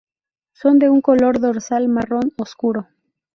Son de un color dorsal marrón oscuro.